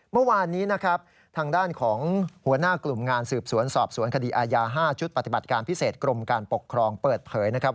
เมื่อวานนี้นะครับทางด้านของหัวหน้ากลุ่มงานสืบสวนสอบสวนคดีอาญา๕ชุดปฏิบัติการพิเศษกรมการปกครองเปิดเผยนะครับ